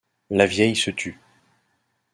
La vieille se tut.